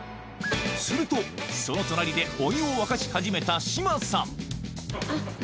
するとその隣でお湯を沸かし始めた志麻さん